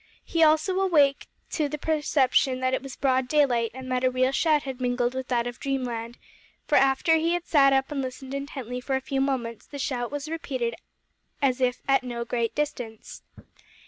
He also awake to the perception that it was broad daylight, and that a real shout had mingled with that of dreamland, for after he had sat up and listened intently for a few moments, the shout was repeated as if at no great distance.